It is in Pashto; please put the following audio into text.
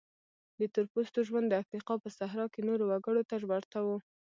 د تور پوستو ژوند د افریقا په صحرا کې نورو وګړو ته ورته و.